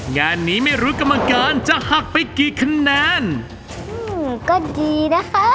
งานนี้ไม่รู้กรรมการจะหักไปกี่คะแนนก็ดีนะคะ